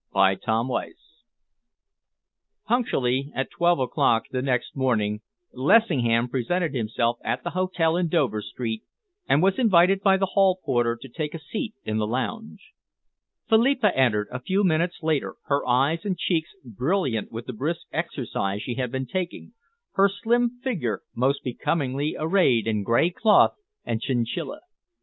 CHAPTER XVII Punctually at 12 o'clock the next morning, Lessingham presented himself at the hotel in Dover Street and was invited by the hall porter to take a seat in the lounge. Philippa entered, a few minutes later, her eyes and cheeks brilliant with the brisk exercise she had been taking, her slim figure most becomingly arrayed in grey cloth and chinchilla.